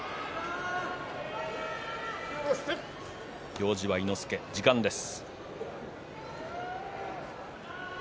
行司は伊之助、時間です。